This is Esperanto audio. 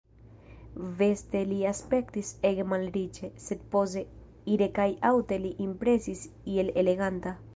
Veste li aspektis ege malriĉe, sed poze, ire kaj aŭte li impresis iel eleganta.